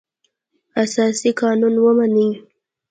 اساسي قانون ومني.